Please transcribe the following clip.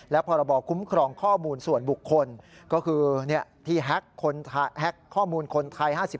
และพรบคุ้มครองข้อมูลส่วนบุคคลก็คือที่แฮ็กข้อมูลคนไทย๕๐